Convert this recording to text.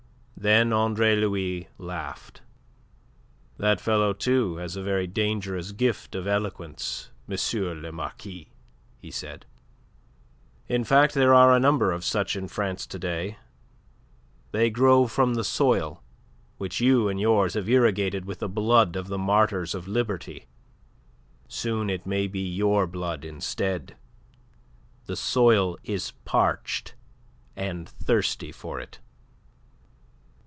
Then Andre Louis laughed. "That fellow, too, has a very dangerous gift of eloquence, M. le Marquis," he said. "In fact there are a number of such in France to day. They grow from the soil, which you and yours have irrigated with the blood of the martyrs of liberty. Soon it may be your blood instead. The soil is parched, and thirsty for it."